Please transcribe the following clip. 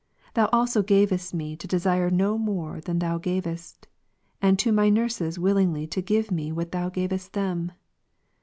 Thou also gavest me to desire no more than Thou gavest ; and to my nurses willingly to give me what Thou gavest them.